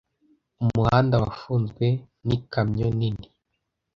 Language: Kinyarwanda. Umuhanda wafunzwe n'ikamyo nini.